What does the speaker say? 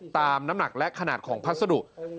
น้ำหนักและขนาดของพัสดุ